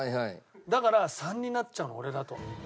だから３になっちゃうの俺だと。